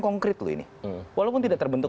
konkret loh ini walaupun tidak terbentuk